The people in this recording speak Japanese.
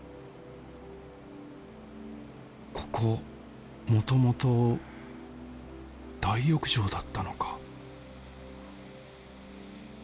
ここもともと大浴場だったのか？